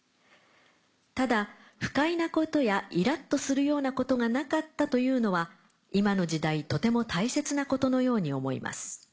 ただ不快なことやイラっとするようなことがなかったというのは今の時代とても大切なことのように思います。